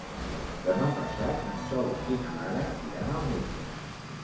Demà passat en Sol i na Lara iran al metge.